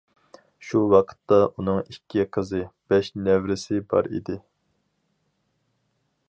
شۇ ۋاقىتتا ئۇنىڭ ئىككى قىزى، بەش نەۋرىسى بار ئىدى.